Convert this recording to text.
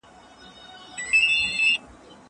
زه اجازه لرم چي کتاب واخلم!!